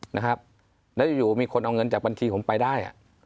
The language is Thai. นะครับแล้วอยู่มีคนเอาเงินจากบัญชีผมไปได้